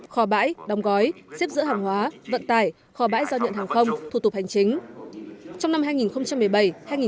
khò bãi đồng gói xếp giữa hàng hóa vận tải khò bãi giao nhận hàng không thủ tục hành chính